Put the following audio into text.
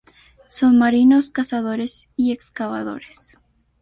Son marinos, cazadores y excavadores.